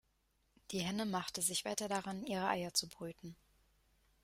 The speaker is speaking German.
Die Henne machte sich weiter daran, ihre Eier zu brüten.